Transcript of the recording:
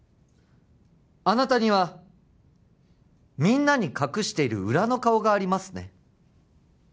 あなたにはみんなに隠している裏の顔がありますね？